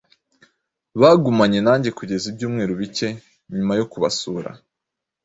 Bagumanye nanjye kugeza ibyumweru bike nyuma yo kubasura